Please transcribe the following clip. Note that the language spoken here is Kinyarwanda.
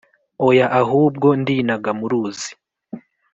oya ahubwo ndinaga muruzi